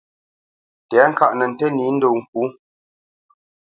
Tɛ̌ŋkaʼ nə ntə́ nǐ ndo ŋkǔ.